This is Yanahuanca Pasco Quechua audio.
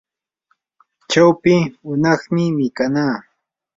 chawpi hunaqmi mikanaa.